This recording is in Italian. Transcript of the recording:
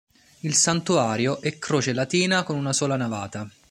Il santuario è croce latina con una sola navata.